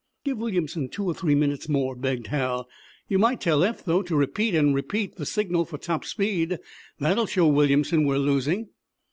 "Give Williamson two or three minutes more," begged Hal. "You might tell Eph, though, to repeat, and repeat, the signal for top speed. That'll show Williamson we're losing."